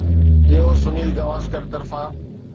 اهو سنيل گواسڪر طرفان